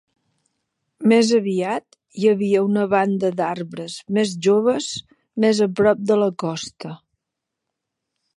Més aviat, hi havia una banda d'arbres més joves més a prop de la costa.